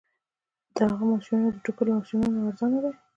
د هغه ماشینونه د ټوکر له ماشینونو ارزانه دي